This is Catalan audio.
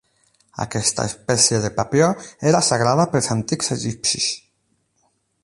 Aquesta espècie de papió era sagrada pels antics egipcis.